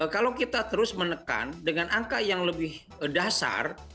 kalau kita terus menekan dengan angka yang lebih dasar